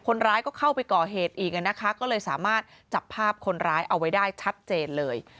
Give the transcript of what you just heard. คนร้ายก็เข้าไปก่อเหตุอีกนะคะก็เลยสามารถจับภาพคนร้ายเอาไว้ได้ชัดเจนเลย